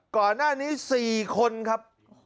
ก่อนหน้านี้๔คนครับ